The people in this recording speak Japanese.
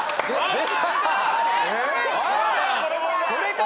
・これか！